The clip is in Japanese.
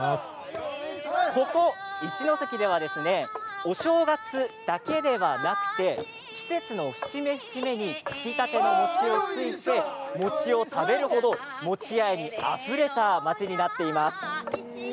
ここ、一関ではお正月だけではなくて季節の節目節目につきたての餅をついて餅を食べるほど餅愛にあふれた町になっています。